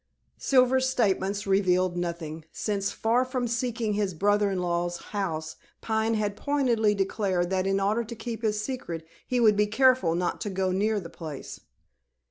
Silver's statements revealed nothing, since, far from seeking his brother in law's house, Pine, had pointedly declared that in order to keep his secret he would be careful not to go near the place.